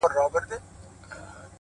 • عالمونو زنده باد نارې وهلې,